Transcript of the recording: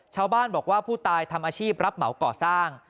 ชาวบ้านบอกว่าผู้ตายทำอาชีพรับเหมาก่อสร้าง